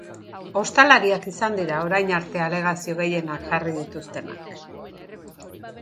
Ostalariak izan dira orain arte alegazio gehienak jarri dituztenak.